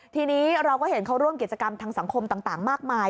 ทีนี้เราก็เห็นเขาร่วมกิจกรรมทางสังคมต่างมากมาย